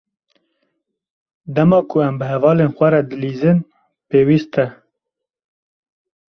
Dema ku em bi hevalên xwe re dilîzin, pêwîst e.